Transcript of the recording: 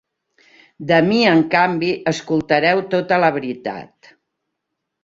De mi, en canvi, escoltareu tota la veritat.